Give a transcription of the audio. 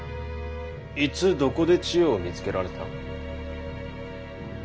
いつどこで千代を見つけられた？